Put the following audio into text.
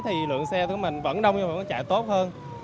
thì lượng xe của mình vẫn đông nhưng mà nó chạy tốt hơn